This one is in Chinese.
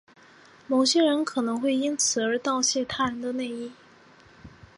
某些人可能会因此而窃盗他人的内衣。